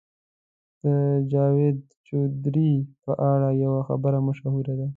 د جاوید چودهري په اړه یوه خبره مشهوره ده.